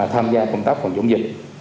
tham gia công tác phòng chống dịch